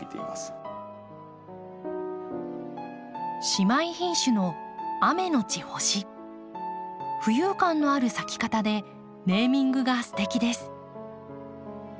姉妹品種の浮遊感のある咲き方でネーミングがすてきです。